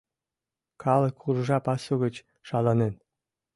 Калык уржа пасу гыч шаланен.